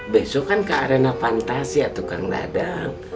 besok kan ke arena fantasia tuh kang dadang